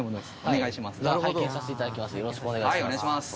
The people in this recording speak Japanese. よろしくお願いします。